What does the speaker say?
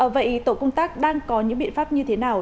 vậy tổ công tác đang có những biện pháp như thế nào